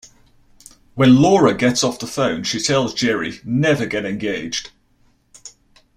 When Laura gets off the phone she tells Jerry: Never get engaged.